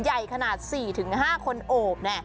ใหญ่ขนาด๔๕คนโอบ